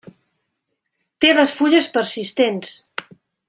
Té les fulles persistents.